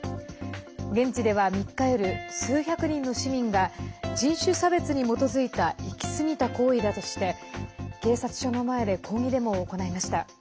現地では３日夜、数百人の市民が人種差別に基づいた行き過ぎた行為だとして警察署の前で抗議デモを行いました。